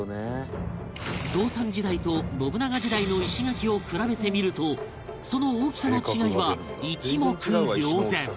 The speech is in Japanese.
道三時代と信長時代の石垣を比べてみるとその大きさの違いは一目瞭然